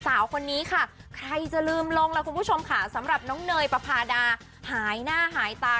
สาวคนนี้ค่ะใครจะลืมลงล่ะคุณผู้ชมค่ะสำหรับน้องเนยปภาดาหายหน้าหายตา